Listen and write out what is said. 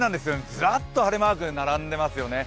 ずらっと晴れマークが並んでいますよね。